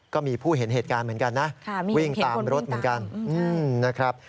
ก็มีผู้เห็นเหตุการณ์เหมือนกันนะวิ่งตามรถเหมือนกันนะครับ